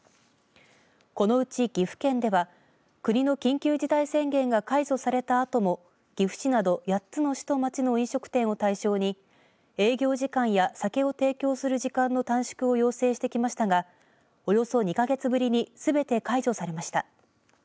このうち岐阜県では国の緊急事態宣言が解除されたあとも岐阜市など８つの市と町の飲食店を対象に営業時間や酒を提供する時間の短縮を要請してきましたがおよそ２か月ぶりにすべて解除されました。